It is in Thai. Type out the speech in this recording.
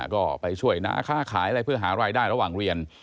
ก็ไปช่วยน้าค่าขายอะไรเพื่อหารายได้ระหว่างเรียน